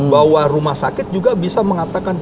bahwa rumah sakit juga bisa mengatakan